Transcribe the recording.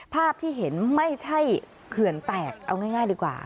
ภาพที่เห็นไม่ใช่เขื่อนแตกเอาง่ายดีกว่า